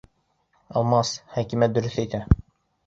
Алмас, Хәкимә дөрөҫ әйтә.